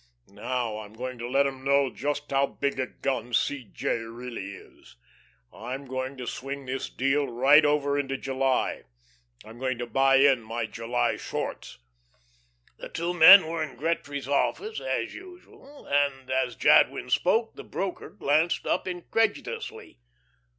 Now I'm going to let 'em know just how big a gun C. J. really is. I'm going to swing this deal right over into July. I'm going to buy in my July shorts." The two men were in Gretry's office as usual, and as Jadwin spoke, the broker glanced up incredulously.